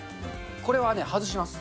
これはね、外します。